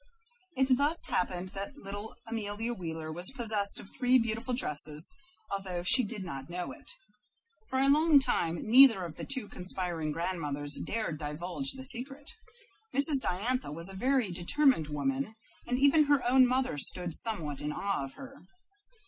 It thus happened that little Amelia Wheeler was possessed of three beautiful dresses, although she did not know it. For a long time neither of the two conspiring grandmothers dared divulge the secret. Mrs. Diantha was a very determined woman, and even her own mother stood somewhat in awe of her.